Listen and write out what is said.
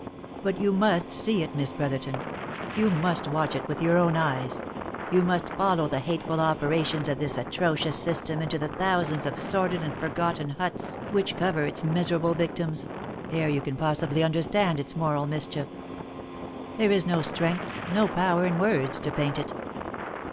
But you must see it, Miss Brotherton, you must watch it with your own eyes, you must follow the hateful operations of this atrocious system into the thousands of sordid and forgotten huts which cover its miserable victims, ere you can possibly understand its moral mischief. There is no strength, no power in words to paint it."